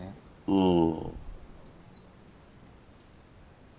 うん。